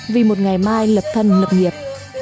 vì một ngày mai lập thân lập nghiệp